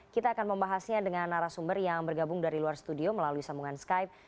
kita akan membahasnya dengan narasumber yang bergabung dari luar studio melalui sambungan skype